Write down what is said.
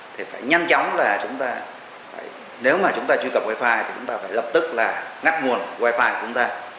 thì phải nhanh chóng là chúng ta nếu mà chúng ta truy cập wifi thì chúng ta phải lập tức là ngắt nguồn wifi của chúng ta